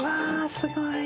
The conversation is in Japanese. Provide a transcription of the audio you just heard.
すごい。